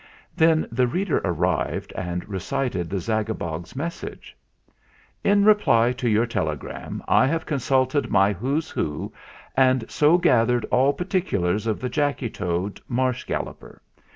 Then the reader arrived and recited the Zagabog's message. "In reply to your telegram, I have consulted my 'Who's Who,' and so gathered all particu lars of the Jacky Toad, Marsh Galloper.